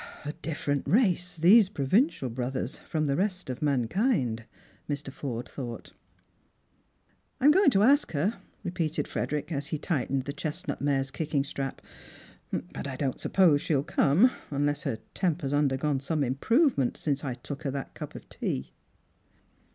"A different race, these provincial brothers, from the rest of mankind," Mr. Forde thought. " I'm going to ask her," repeated Frederick, as he tightened the chestnut mare's kicking strap, " but I don't suppose she'll come, unless her temper's undergone some improvement since I took her that cup of tea."